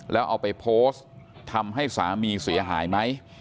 แล้วเอาไปโพสต์ทำให้สามีเสียหายไหม